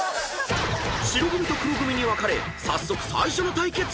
［白組と黒組に分かれ早速最初の対決へ］